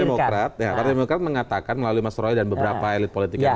demokrat partai demokrat mengatakan melalui mas roy dan beberapa elit politik yang lain